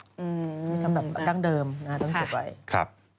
อืมคำแบบกลางเดิมนะต้องจบไว้